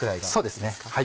そうですね。